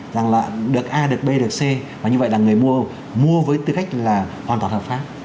rằng là được a được b được c và như vậy là người mua với tư cách là hoàn toàn hợp pháp